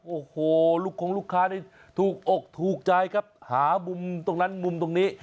โอ้โหลูกคงลูกค้านี่ถูกอกถูกใจครับหามุมตรงนั้นมุมตรงนี้